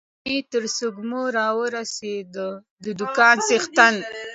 مې تر سږمو را ورسېد، د دوکان څښتن.